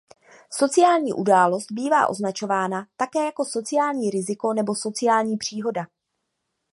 Sociální událost bývá označována také jako sociální riziko nebo sociální příhoda.